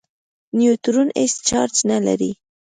نیوټرون هېڅ چارج نه لري.